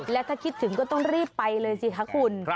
และถ้าคิดถึงก็ต้องรีบไปเลยสิคะคุณ